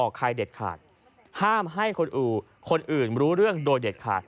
ใครเด็ดขาดห้ามให้คนอื่นคนอื่นรู้เรื่องโดยเด็ดขาด